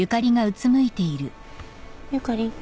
ゆかりん？